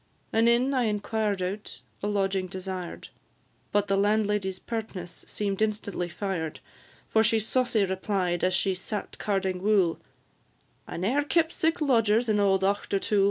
An inn I inquired out, a lodging desired, But the landlady's pertness seem'd instantly fired; For she saucy replied, as she sat carding wool, "I ne'er kept sic lodgers in auld Auchtertool."